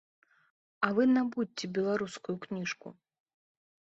А вы набудзьце беларускую кніжку.